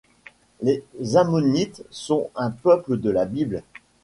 Les Ammonites sont un peuple de la Bible.